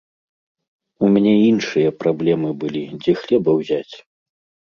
У мяне іншыя праблемы былі, дзе хлеба ўзяць.